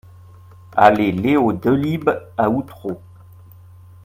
Allée Leo Delibes à Outreau